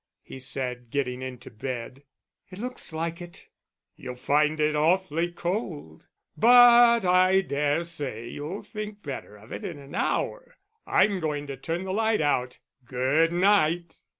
he said, getting into bed. "It looks like it." "You'll find it awfully cold. But I dare say you'll think better of it in an hour. I'm going to turn the light out. Good night!"